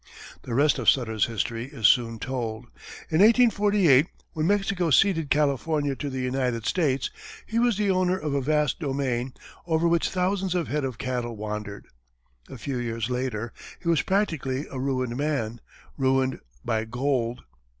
The rest of Sutter's history is soon told. In 1848, when Mexico ceded California to the United States, he was the owner of a vast domain, over which thousands of head of cattle wandered. A few years later, he was practically a ruined man ruined by gold.